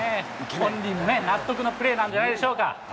本人もね、納得のプレーなんじゃないでしょうか。